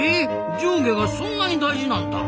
上下がそんなに大事なんだ。